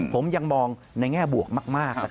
ผมยังมองในแง่บวกมาก